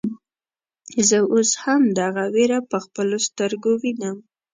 زه اوس هم دغه وير په خپلو سترګو وينم.